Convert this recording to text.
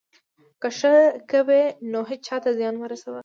که ښه کوئ، نو هېچا ته زیان مه رسوئ.